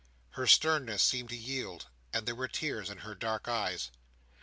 Her sternness seemed to yield, and there were tears in her dark eyes.